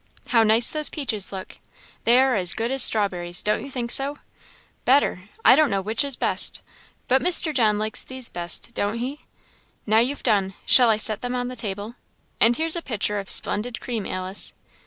"How nice those peaches look! they are as good as strawberries don't you think so? better I don't know which is best but Mr. John likes these best, don't he? Now you've done shall I set them on the table? and here's a pitcher of splendid cream, Alice!"